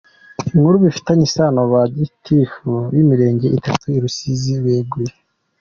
Inkuru bifitanye isano: Ba Gitifu b’Imirenge itatu i Rusizi beguye.